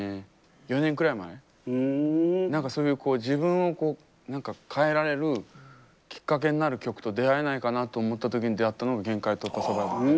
４年くらい前何かそういう自分を変えられるきっかけになる曲と出会えないかなと思った時に出会ったのが「限界突破×サバイバー」。